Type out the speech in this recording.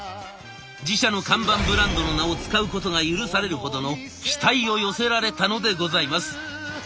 自社の看板ブランドの名を使うことが許されるほどの期待を寄せられたのでございます。